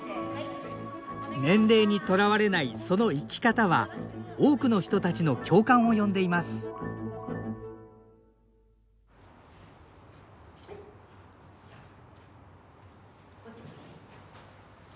年齢にとらわれないその生き方は多くの人たちの共感を呼んでいますやってます。